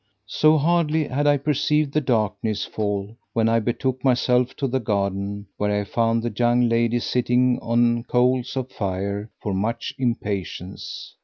[FN#519] So hardly had I perceived the darkness fall when I betook myself to the garden, where I found the young lady sitting on coals of fire for much impatience.